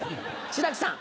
志らくさん